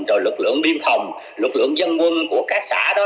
rồi lực lượng biên phòng lực lượng dân quân của các xã đó